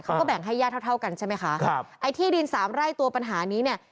เขาก็แบ่งให้ญาติเท่าเท่ากันใช่ไหมคะครับไอ้ที่ดินสามไร่ตัวปัญหานี้เนี่ย